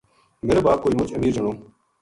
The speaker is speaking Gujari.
میرو باپ کوئی مُچ امیر جنو